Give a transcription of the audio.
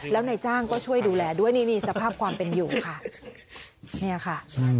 แล้วนายจ้างก็ช่วยดูแลด้วยนิลีแสนภาพความเป็นอยู่ค่ะ